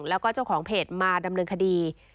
แล้วก็เจ้าของเพจมาดำเนินคดี